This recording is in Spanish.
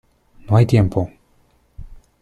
¡ no hay tiempo!